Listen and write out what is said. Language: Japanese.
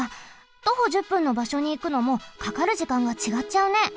徒歩１０分のばしょにいくのもかかる時間がちがっちゃうね。